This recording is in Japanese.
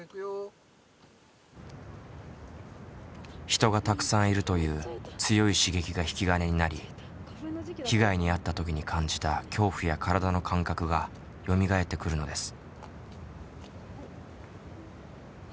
人がたくさんいるという強い刺激が引き金になり被害に遭った時に感じた恐怖や体の感覚がよみがえってくるのです。